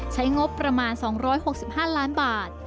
ใช้งบประมาณ๒๖๕ล้านบาท